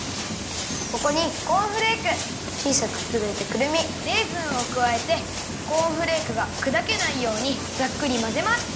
ここにコーンフレークちいさくくだいたくるみレーズンをくわえてコーンフレークがくだけないようにざっくりまぜます。